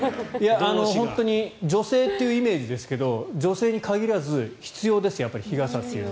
本当に女性というイメージですが女性に限らず必要です、日傘って。